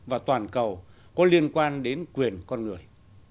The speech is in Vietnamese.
và toàn cầu có liên quan đến quyền con người